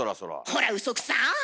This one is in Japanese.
ほらウソくさい！